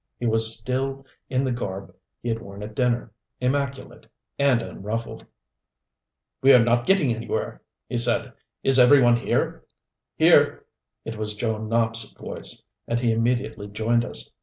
He was still in the garb he had worn at dinner, immaculate and unruffled. "We're not getting anywhere," he said. "Is every one here?" "Here!" It was Joe Nopp's voice, and he immediately joined us.